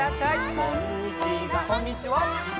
「こんにちは」